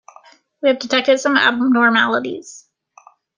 We have detected some abnormalities.